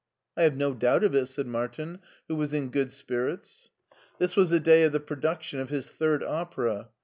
" I have no doubt of it," said Martin, who was in good spirits. This was the day of the production of his third opera.